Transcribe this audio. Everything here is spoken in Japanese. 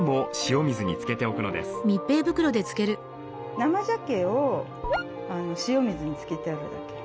生ジャケを塩水に漬けてあるだけ。